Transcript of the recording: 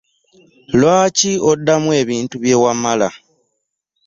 Lwaki odamu ebintu bye wamala?